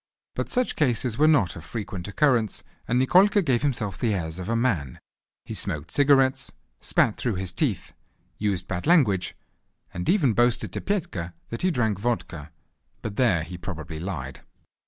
But such cases were not of frequent occurrence, and Nikolka gave himself the airs of a man; he smoked cigarettes, spat through his teeth, used bad language, and even boasted to Petka that he drank vodka; but there he probably lied.